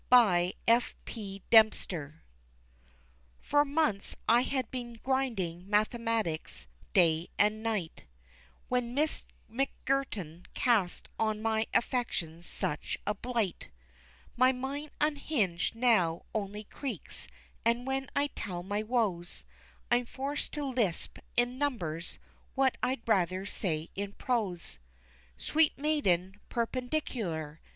F. P. DEMPSTER. For months I had been "grinding" Mathematics day and night When Miss McGirton cast on my affections such a blight; My mind unhinged now only creaks, and when I tell my woes I'm forced to lisp in numbers what I'd rather say in prose. Sweet maiden perpendicular!